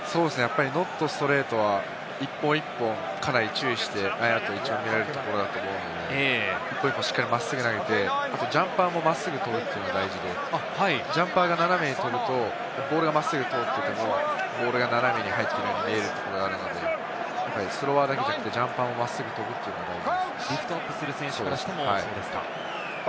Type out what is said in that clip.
ノットストレートは１本１本、かなり注意して見られるところだと思うので、しっかり真っすぐ投げて、ジャンパーも真っすぐ飛ぶというのが大事でジャンパーが斜めに飛ぶと、ボールが真っすぐ飛ぶというのもボールが斜めに入っていくように見えるときがあるので、スロワーだけじゃなくてジャンパーも真っすぐ飛ぶというのも大事。